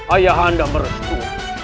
ayah anda merestu